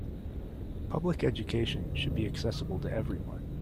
Public education should be accessible to everyone.